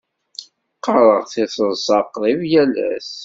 Qqareɣ tiseḍsa qrib yal ass.